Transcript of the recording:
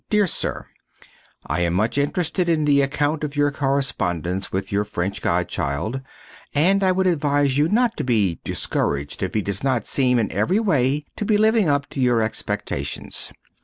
Dear Sir: I am much interested in the account of your correspondence with your French godchild, and I would advise you not to be discouraged if he does not seem, in every way, to be living up to your expectations.